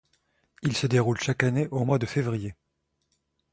Il se déroule chaque année au mois de février.